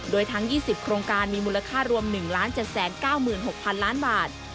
โดยทั้ง๒๐โครงการมีมูลค่ารวม๑๗๙๖๐๐๐ล้านบาท